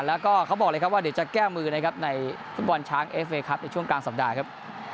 แล้วก็เขาบอกเลยครับว่าเดี๋ยวจะแก้มือนะครับในฟุตบอลช้างเอฟเวย์ครับในช่วงกลางสัปดาห์ครับ